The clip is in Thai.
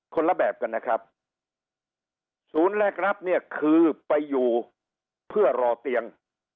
ละแบบกันนะครับศูนย์แรกรับเนี่ยคือไปอยู่เพื่อรอเตียง